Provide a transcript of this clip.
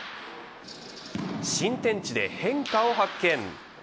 新天地で変化を発見。